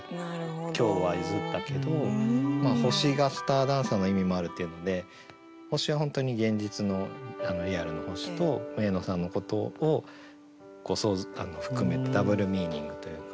今日は譲ったけど星がスターダンサーの意味もあるっていうので星は本当に現実のリアルの星と上野さんのことを含めてダブルミーニングというか。